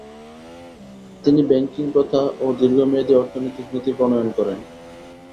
তিনি ব্যাংকিং প্রথা ও দীর্ঘ মেয়াদি অর্থনৈতিক নীতি প্রণয়ন করেন।